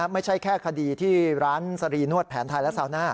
ไม่ใช่แค่คดีที่ร้านสรีนวดแผนไทยและซาวน่า